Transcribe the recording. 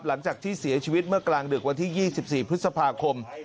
หลังจากที่เสียชีวิตเมื่อกลางดึกวันที่๒๔พฤษภาคม